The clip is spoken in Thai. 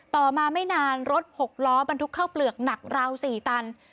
ต่อมาไม่นานรถ๖ล้อบรรทุกเข้าเปลือกหนักราว๔ตัน